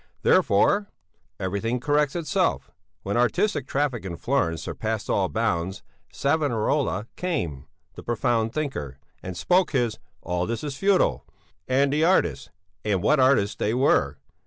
Therefore.... "'Everything corrects itself. When artistic traffic in Florence surpassed all bounds Savonarola came the profound thinker! and spoke his "All this is futile." And the artists and what artists they were!